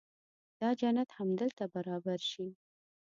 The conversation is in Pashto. دا جنت همدلته برابر شي.